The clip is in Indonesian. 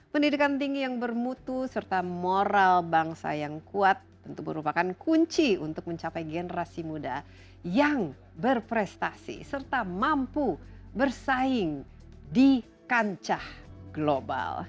pendidikan tinggi yang bermutu serta moral bangsa yang kuat tentu merupakan kunci untuk mencapai generasi muda yang berprestasi serta mampu bersaing di kancah global